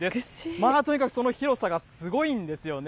まあその広さがすごいんですよね。